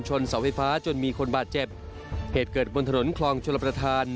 เสาไฟฟ้าจนมีคนบาดเจ็บเหตุเกิดบนถนนคลองชลประธาน